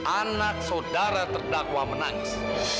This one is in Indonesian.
anak saudara terdakwa menangis